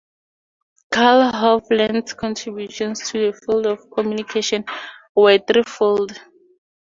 Carl Hovland's contributions to the field of communications were three-fold.